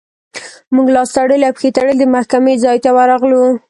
موږ لاس تړلي او پښې تړلي د محکمې ځای ته ورغلو.